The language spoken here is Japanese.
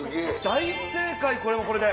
大正解これはこれで。